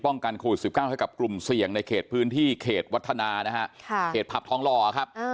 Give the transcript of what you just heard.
ป้องกันโควิด๑๙ให้กับกลุ่มเสี่ยงในเขตพื้นที่เขตวัฒนานะฮะ